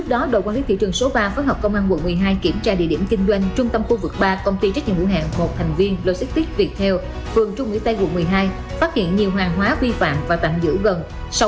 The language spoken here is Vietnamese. đội quản lý thị trường số ba phối hợp công an quận một mươi hai kiểm tra địa điểm kinh doanh trung tâm khu vực ba công ty trách nhiệm hữu hạng một thành viên logistics việt theo phường trung mỹ tây quận một mươi hai phát hiện nhiều hàng hóa vi phạm và tạm giữ gần